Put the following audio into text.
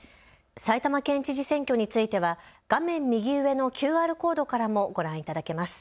埼玉県知事選挙については画面右上のＱＲコードからもご覧いただけます。